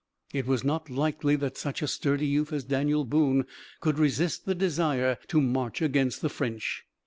It was not likely that such a sturdy youth as Daniel Boone could resist the desire to march against the French.